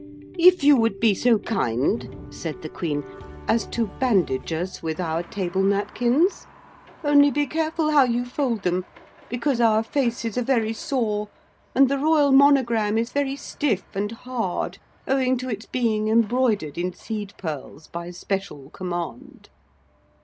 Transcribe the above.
'If you would be so kind,' said the Queen, 'as to bandage us with our table napkins? Only be careful how you fold them, because our faces are very sore, and the royal monogram is very stiff and hard owing to its being embroidered in seed pearls by special command.'